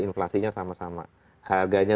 inflasinya sama sama harganya